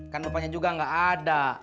kan bapaknya juga gak ada